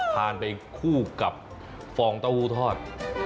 ทานไปคู่กับฟองเต้าหู้ทอด